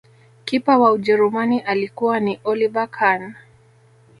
Kipa wa ujerumani alikuwa ni oliver Khan